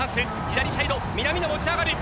左サイド南野持ち上がる。